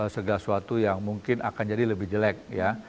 segala sesuatu yang mungkin akan jadi lebih jelek ya